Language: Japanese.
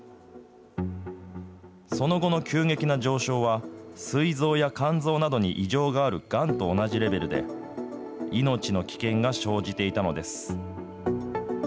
その後の急激な上昇は、すい臓や肝臓などに異常があるがんと同じレベルで、命の危険が生じていたのです。